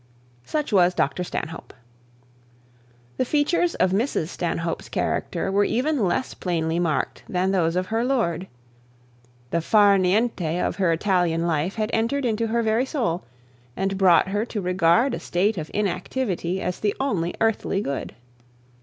Such was Dr Stanhope. The features of Mrs Stanhope's character were even less plainly marked than those of her lord. The far niente of her Italian life had entered into her very soul, and brought her to regard a state of inactivity as the only earthly good.